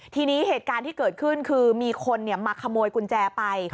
ทีนี้เหตุการณ์ที่เกิดขึ้นคือมีคนมาขโมยกุญแจไป